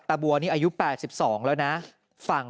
บัวนี่อายุ๘๒แล้วนะ